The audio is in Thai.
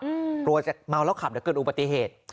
กลัวจะเมาแล้วขับเดี๋ยวเกิดอุบัติเหตุ